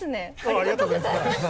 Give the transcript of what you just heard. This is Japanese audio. ありがとうございます。